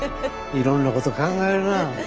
いろんなこと考えるな。